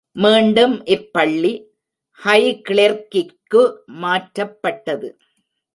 மீண்டும் இப் பள்ளி ஹைகிளெர்க்கிற்கு மாற்றப்பட்டது.